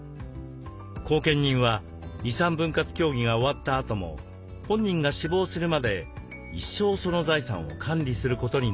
後見人は遺産分割協議が終わったあとも本人が死亡するまで一生その財産を管理することになります。